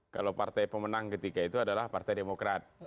kalau partai pemenang ketika itu adalah partai demokrat